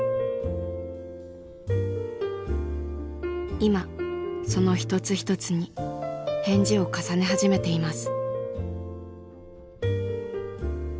今その一つ一つに返事を重ね始めています。